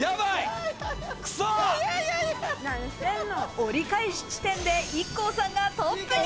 折り返し地点でＩＫＫＯさんがトップに。